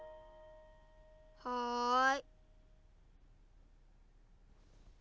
はい。